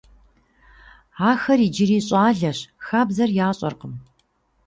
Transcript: Ахэр иджыри щӀалэщ, хабзэр ящӀэркъым.